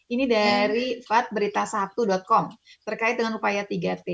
ini dari fatberitasabtu com terkait dengan upaya tiga t